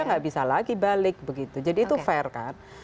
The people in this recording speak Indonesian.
nggak bisa lagi balik begitu jadi itu fair kan